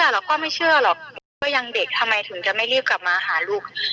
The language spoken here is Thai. อายุมือไม่เชื่อยังเด็กช่วงอยากกลับหาลูก